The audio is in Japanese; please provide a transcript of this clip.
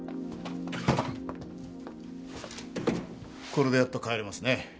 これでやっと帰れますね。